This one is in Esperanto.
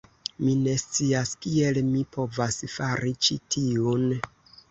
Mi ne scias kiel mi povas fari ĉi tiun.